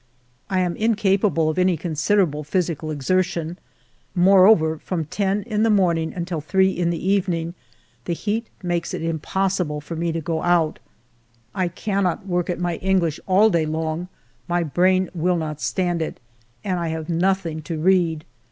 I am incapable of any considerable physical ex 120 FIVE YEARS OF MY LIFE ertion ; moreover, from ten in the morning until three in the evening the heat makes it impossible for me to go out. I cannot work at my English all day long, — my brain will not stand it, — and I have nothing to read.